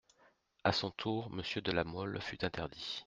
A son tour, Monsieur de La Mole fut interdit.